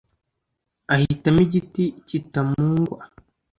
ahitamo igiti kitamungwa,